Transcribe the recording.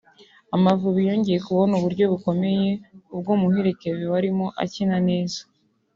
Amavubi yongeye kubona uburyo bukomeye ubwo Muhire Kevin warimo akina neza